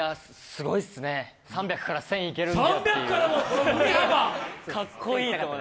すごいっすね、３００から１０００いけるっていう。